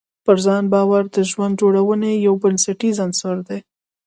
پر ځان باور د ژوند جوړونې یو بنسټیز عنصر دی.